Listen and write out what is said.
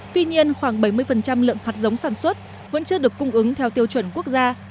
tuy nhiên khoảng bảy mươi lượng hạt giống sản xuất vẫn chưa được cung ứng theo tiêu chuẩn quốc gia